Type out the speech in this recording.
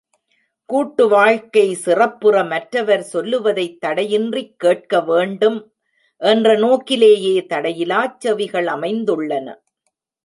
கூட்டு வாழ்க்கை சிறப்புற, மற்றவர் சொல்லுவதைத் தடையின்றிக் கேட்க வேண்டும் என்ற நோக்கிலேயே தடையிலாச் செவிகள் அமைந்துள்ளன.